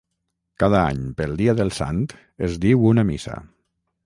Cada any pel dia del Sant es diu una missa.